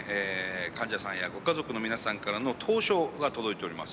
患者さんやご家族の皆さんからの投書が届いております。